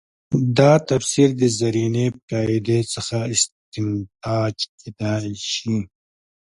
دا تفسیر د زرینې قاعدې څخه استنتاج کېدای شي.